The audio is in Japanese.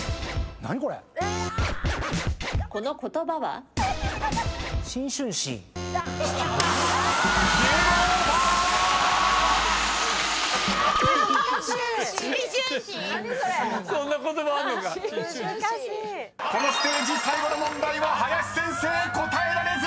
何それ⁉そんな言葉あるのか⁉［このステージ最後の問題は林先生答えられず！］